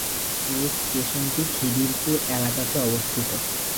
এই স্টেশনটি খিদিরপুর এলাকাতে অবস্থিত।